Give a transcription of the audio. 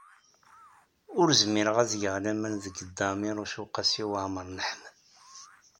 Ur zmireɣ ad geɣ laman deg Dda Ɛmiiruc u Qasi Waɛmer n Ḥmed.